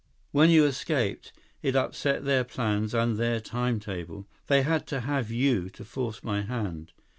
When you escaped, it upset their plans and their timetable. They had to have you to force my hand."